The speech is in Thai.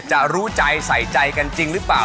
รู้ใจใส่ใจกันจริงหรือเปล่า